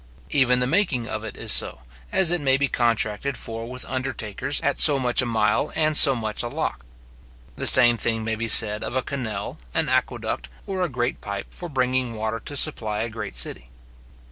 Even the making of it is so, as it may be contracted for with undertakers, at so much a mile, and so much a lock. The same thing may be said of a canal, an aqueduct, or a great pipe for bringing water to supply a great city.